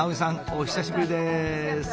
お久しぶりです！